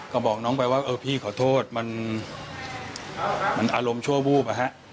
ก็บอกน้องไปว่าเออพี่ขอโทษมันอารมณ์ชั่ววูบ